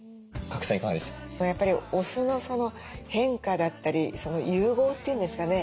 やっぱりお酢の変化だったり融合っていうんですかね。